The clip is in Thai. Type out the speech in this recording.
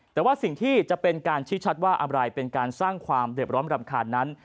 แต่ว่าสิ่งที่จะเป็นการชี้ชัดว่าอะไรเป็นการสร้างความเด็บร้อนรำคาญนั้น